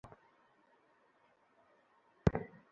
ওর কতদিনের জেল হয়েছে?